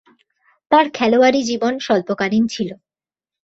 তার খেলোয়াড়ী জীবন স্বল্পকালীন ছিল।